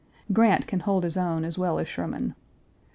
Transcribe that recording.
Grant can hold his own as well as Sherman.